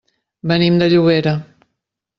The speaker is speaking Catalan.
Venim de Llobera.